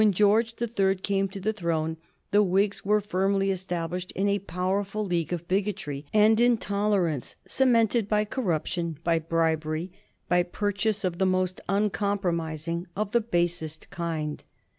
When George the Third came to the throne the Whigs were firmly established in a powerful league of bigotry and in tolerance, cemented by corruption, by bribery, by purchase of the most uncompromising, of the basest kind.